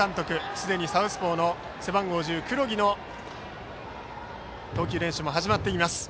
すでにサウスポーの背番号１０、黒木の投球練習も始まっています。